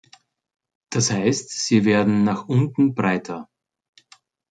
Das heißt, sie werden nach unten breiter.